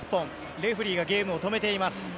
レフェリーがゲームを止めています。